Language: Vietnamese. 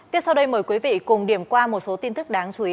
tiếp sau đây mời quý vị cùng điểm qua một số tin tức đáng chú ý